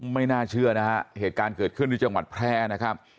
ไม่น่าเชื่อนะฮะเหตุการณ์เกิดขึ้นที่จังหวัดแพร่นะครับ